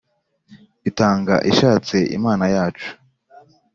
Itanga ishatse Imana yacu